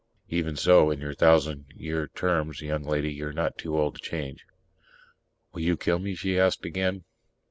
Even so, in your thousand year terms, young lady, you're not too old to change._ "Will you kill me?" she asked again.